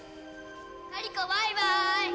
カリコバイバーイ。